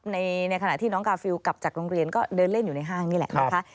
ในขณะที่น้องกาฟิลกลับจากโรงเรียนก็เดินเล่นอยู่ในห้างนี่แหละนะคะ